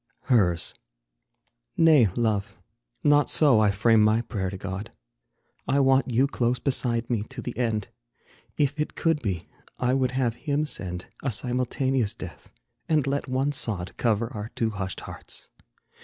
HERS. Nay, Love, not so I frame my prayer to God; I want you close beside me to the end; If it could be, I would have Him send A simultaneous death, and let one sod Cover our two hushed hearts.